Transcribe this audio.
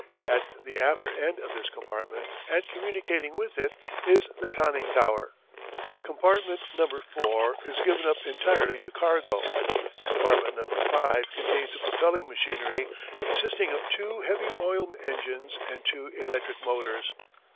At the after end of this compartment, and communicating with it, is the conning tower. Compartment No. 4 is given up entirely to cargo. Compartment No. 5 contains the propelling machinery, consisting of two heavy oil engines and two electric motors.